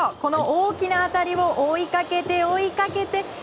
大きな当たりを追いかけて追いかけて。